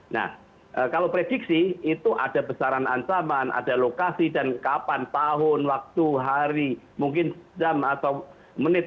nah kalau prediksi itu ada besaran ancaman ada lokasi dan kapan tahun waktu hari mungkin jam atau menit